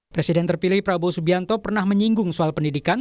presiden terpilih prabowo subianto pernah menyinggung soal pendidikan